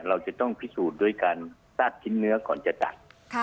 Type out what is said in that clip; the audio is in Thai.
เราจะต้องพิสูจน์ด้วยการซากชิ้นเนื้อก่อนจะตัด